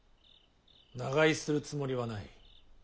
長居するつもりはない。